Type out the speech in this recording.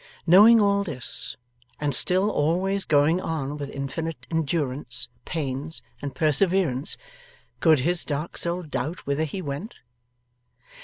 Knowing all this, and still always going on with infinite endurance, pains, and perseverance, could his dark soul doubt whither he went?